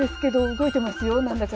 動いてますよ。